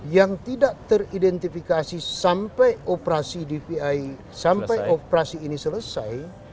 yang tidak teridentifikasi sampai operasi dvi sampai operasi ini selesai